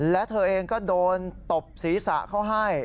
และเธอเองก็โดนตบศีรษะเขาให้